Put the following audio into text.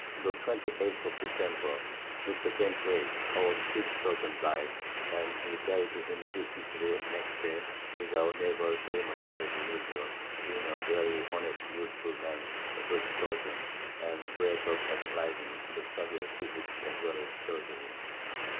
The 28th of December, Mr. James Wase our chief Surgeon died, and we buried him decently next Day, with our Naval Ceremonies as usual, being a very honest useful Man, a good Surgeon, and bred up at Leyden, in the Study of Physick as well as Surgery.